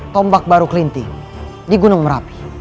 tombak baru kelinting di gunung merapi